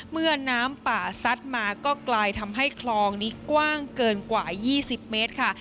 เมื่อน้ำป่าซัดมาก็กลายทำให้คลองนี้กว้างเกินกว่า๒๐เมตรค่ะ